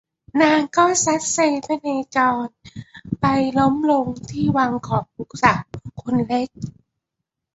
นางก็ซัดเซพเนจรไปล้มลงที่วังของลูกสาวคนเล็ก